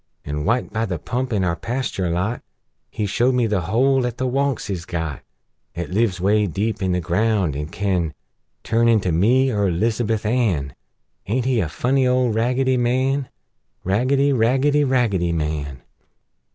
An', wite by the pump in our pasture lot, He showed me the hole 'at the Wunks is got, 'At lives 'way deep in the ground, an' can Turn into me, er 'Lizabuth Ann! Aint he a funny old Raggedy Man? Raggedy! Raggedy! Raggedy Man!